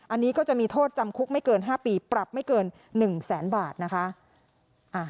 อันนี้ก็จะมีโทษจำคุกไม่เกิน๕ปีปรับไม่เกิน๑แสนบาทนะคะ